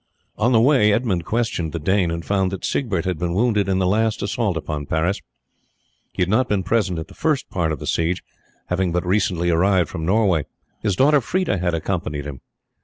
On the way Edmund questioned the Dane, and found that Siegbert had been wounded in the last assault upon Paris. He had not been present at the first part of the siege, having but recently arrived from Norway. His daughter Freda had accompanied him.